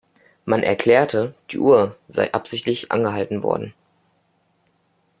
Man erklärte, die Uhr sei absichtlich angehalten worden.